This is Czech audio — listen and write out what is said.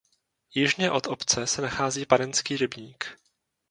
Jižně od obce se nachází Panenský rybník.